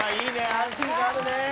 安心感あるね。